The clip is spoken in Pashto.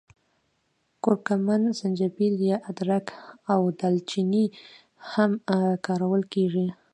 کورکمن، زنجبیل یا ادرک او دال چیني هم کارول کېږي.